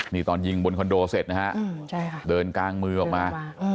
นี่ตอนยิงบนคอนโดเสร็จนะฮะเดินกางมือออกมา